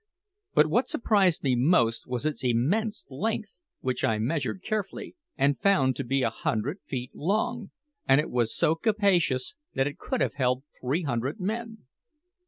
But what surprised me most was its immense length, which I measured carefully, and found to be a hundred feet long; and it was so capacious that it could have held three hundred men.